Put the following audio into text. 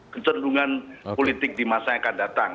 kecenderungan politik di masa yang akan datang